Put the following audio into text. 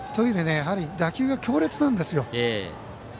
打球が強烈なんですよ。